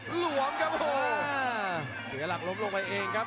ประโยชน์ทอตอร์จานแสนชัยกับยานิลลาลีนี่ครับ